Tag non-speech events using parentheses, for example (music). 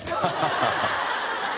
ハハハ (laughs)